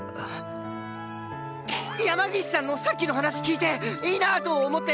山岸さんのさっきの話聞いていいなと思って